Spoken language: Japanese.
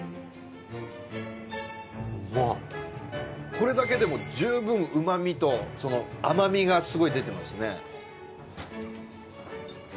これだけでも十分旨味と甘味がすごい出てますね。